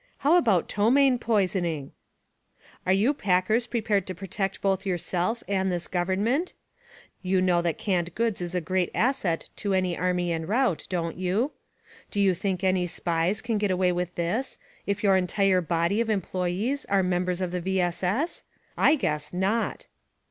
How about ptomaine poisoning? Are you packers prepared to protect both yourself and this Government? You know that canned goods is a great asset to any army enroute, don't you? Do you think any Spies can get away with this — if your entire body of em ployees are members of the V. S.. S.? I guess not!